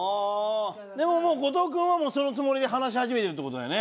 でももう後藤君はそのつもりで話し始めてるって事だよね？